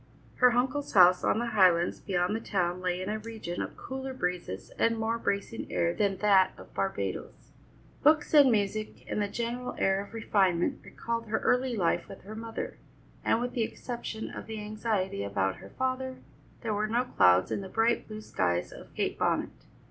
Her uncle's house on the highlands beyond the town lay in a region of cooler breezes and more bracing air than that of Barbadoes. Books and music and the general air of refinement recalled her early life with her mother, and with the exception of the anxiety about her father, there were no clouds in the bright blue skies of Kate Bonnet.